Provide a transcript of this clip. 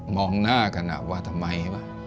มองหน้ากันอาบว่าทำไมวะ